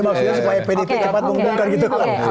ini maksudnya supaya pdt cepat mengumumkan gitu kan